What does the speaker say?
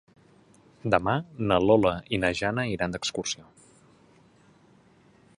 Demà na Lola i na Jana iran d'excursió.